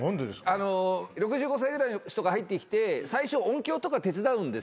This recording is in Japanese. ６５歳ぐらいの人が入ってきて最初音響とか手伝うんですよ。